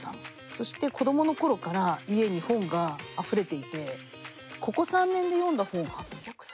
そして子供の頃から家に本があふれていてここ３年で読んだ本が８００冊。